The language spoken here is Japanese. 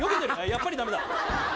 やっぱり駄目だ。